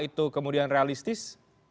itu kemudian realistis